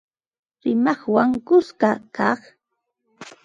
Rimaqwan kuska kaq